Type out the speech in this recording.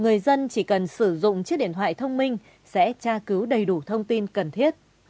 người dân chỉ cần sử dụng chiếc điện thoại thông minh sẽ tra cứu đầy đủ thông tin cần thiết